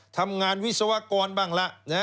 ทำงานวิศวกรบ้างละ